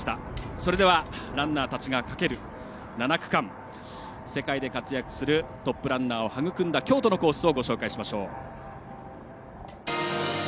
それではランナーたちが駆ける７区間世界で活躍するトップランナーを育んだ京都のコースをご紹介しましょう。